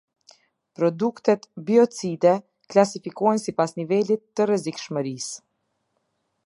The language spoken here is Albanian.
Produktet biocide klasifikohen sipas nivelit të rrezikshmërisë.